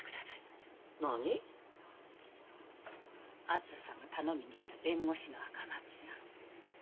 あづささんが頼みに行った弁護士の赤松さん。